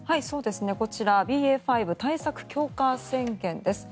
こちらＢＡ．５対策強化宣言です。